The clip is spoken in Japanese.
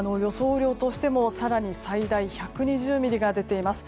雨量としても更に最大１２０ミリが出ています。